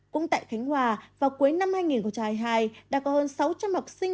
cũng tại khánh hòa vào cuối năm hai nghìn hai mươi hai đã có hơn sáu trăm linh học sinh